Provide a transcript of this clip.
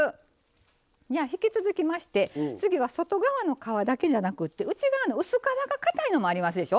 じゃあ引き続きまして次は外側の皮だけじゃなくて内側の薄皮がかたいのもありますでしょ。